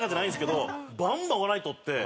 バンバン笑い取って。